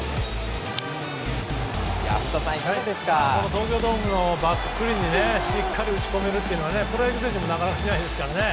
東京ドームのバックスクリーンにしっかり打ち込めるというのはなかなかできないですからね。